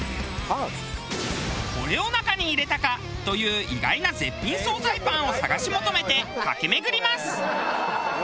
これを中に入れたか！という意外な絶品総菜パンを探し求めて駆け巡ります。